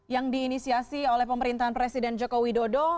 yang diinisiasi oleh pemerintahan presiden joko widodo